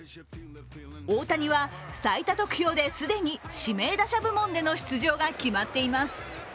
大谷は最多得票で既に指名打者部門での出場が決まっています。